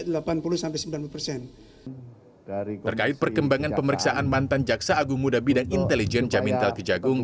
terkait perkembangan pemeriksaan mantan jaksa agung muda bidang intelijen jamintel kejagung